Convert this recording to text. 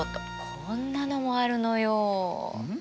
こんなのもあるのよ。